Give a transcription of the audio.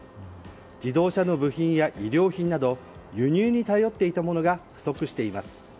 自動車の部品や衣料品など輸入に頼っていたものが不足しています。